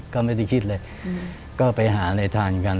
ก็ไม่ได้คิดเลยก็ไปหาในทางกัน